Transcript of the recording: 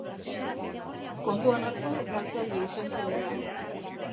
Kontuan hartu galtzaile irten zirela.